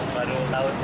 baru tahun kali aja